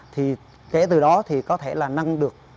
thì kể từ đó có thể nâng được